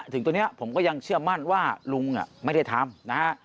ถึงตัวนี้ผมก็ยังเชื่อมั่นว่าลุงไม่ได้ทำนะฮะ